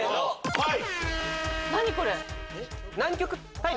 はい。